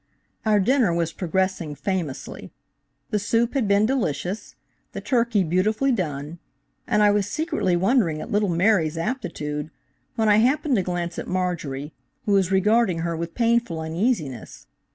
Our dinner was progressing famously. The soup had been delicious, the turkey beautifully done, and I was secretly wondering at little Mary's aptitude, when I happened to glance at Marjorie, who was regarding her with painful uneasiness.